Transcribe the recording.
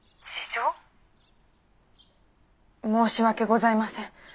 申し訳ございません。